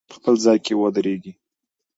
وخت به ډېر ژر په خپل ځای کې ودرېږي.